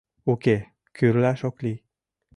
Уке, кӱрлаш ок лий.